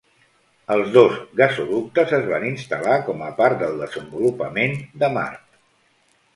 Els dos gasoductes es van instal.lar com a part del desenvolupament de Mart.